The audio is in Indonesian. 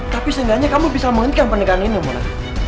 tapi seenggaknya kamu bisa menghentikan pernikahan ini mona